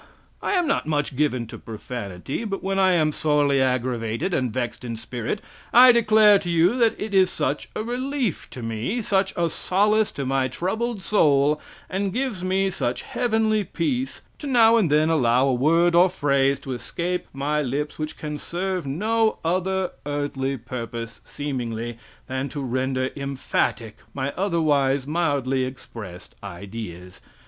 (I am not much given to profanity, but when I am sorely aggravated and vexed in spirit, I declare to you that it is such a relief to me, such a solace to my troubled soul, and gives me such heavenly peace, to now and then allow a word or phrase to escape my lips which can serve the no other earthly purpose, seemingly, than to render emphatic my otherwise mildly expressed ideas.